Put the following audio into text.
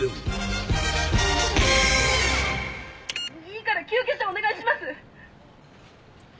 「いいから救急車をお願いします！」